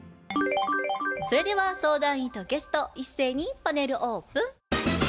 それでは相談員とゲスト一斉にパネルオープン。